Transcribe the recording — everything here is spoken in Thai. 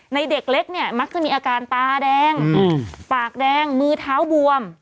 เด็กเล็กเนี่ยมักจะมีอาการตาแดงปากแดงมือเท้าบวม